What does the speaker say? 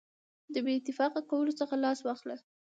د بې اتفاقه کولو څخه لاس واخله.